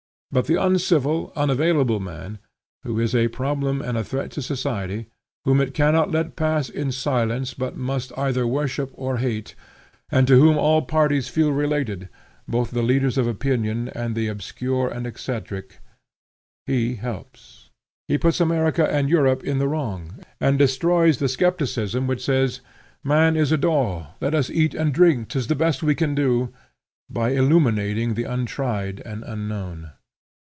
But the uncivil, unavailable man, who is a problem and a threat to society, whom it cannot let pass in silence but must either worship or hate, and to whom all parties feel related, both the leaders of opinion and the obscure and eccentric, he helps; he puts America and Europe in the wrong, and destroys the skepticism which says, 'man is a doll, let us eat and drink, 'tis the best we can do,' by illuminating the untried and unknown.